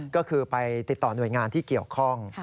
ก็คือไปติดต่อหน่วยงานที่เกี่ยวข้อง